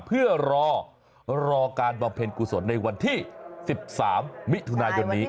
เพื่อรอการบำเพ็ญกุศลในวันที่๑๓มิถุนายนนี้